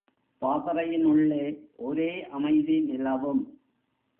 பாசறையின் உள்ளே ஒரே அமைதி நிலவும்.